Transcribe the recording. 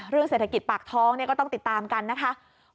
เรื่องเศรษฐกิจปากท้องก็ต้องติดตามกันนะคะ